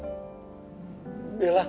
bella sengaja menyembunyikan kehamilannya